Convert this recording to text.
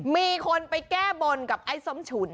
มีคนไปแก้บนกับไอ้ส้มฉุน